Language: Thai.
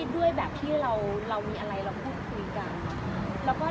ด้วยแบบที่เรามีอะไรเราพูดคุยกันค่ะ